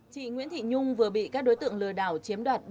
chị nguyễn thị nhung vừa bị các đối tượng lừa đảo chiếm đoạt